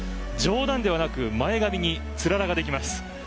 冗談ではなく前髪につららができます。